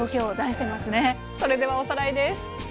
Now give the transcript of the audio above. それではおさらいです。